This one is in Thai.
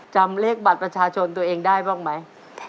ตัวเลือดที่๓ม้าลายกับนกแก้วมาคอ